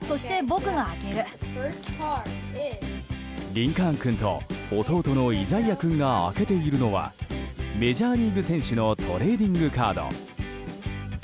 リンカーン君と弟のイザイア君が開けているのはメジャーリーグ選手のトレーディングカード。